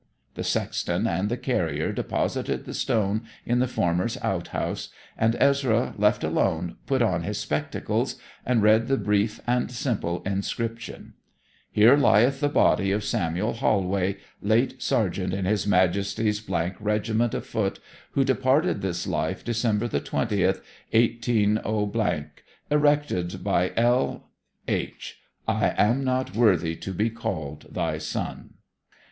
The sexton and the carrier deposited the stone in the former's outhouse; and Ezra, left alone, put on his spectacles and read the brief and simple inscription: HERE LYETH THE BODY OF SAMUEL HOLWAY, LATE SERGEANT IN HIS MAJESTY'S D REGIMENT OF FOOT, WHO DEPARTED THIS LIFE DECEMBER THE 20TH, 180 . ERECTED BY L. H. 'I AM NOT WORTHY TO BE CALLED THY SON.'